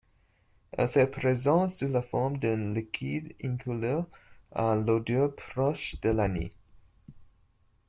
Elle se présente sous la forme d'un liquide incolore, à l'odeur proche de l'anis.